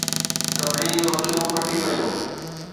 سڀني جون اکيون ڦٽي ويون